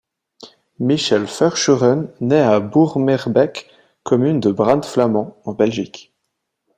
Michel Verschueren naît à Boortmeerbeek, commune du Brabant flamand, en Belgique.